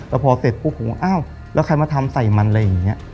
แต่พอเสร็จปุ๊บผมว่าอ้าวแล้วใครมาทำใส่มันอะไรอย่างนี้